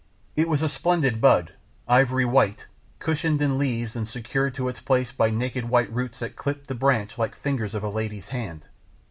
It was a splendid bud, ivory white, cushioned in leaves, and secured to its place by naked white roots that clipped the branch like fingers of a lady's hand.